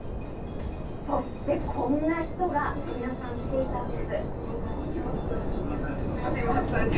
そしてこんな人が、皆さん、来ていたんです。